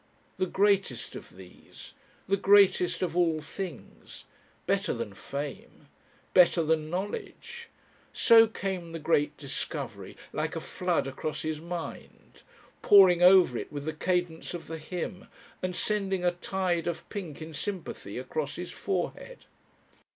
The greatest of these. The greatest of all things. Better than fame. Better than knowledge. So came the great discovery like a flood across his mind, pouring over it with the cadence of the hymn and sending a tide of pink in sympathy across his forehead.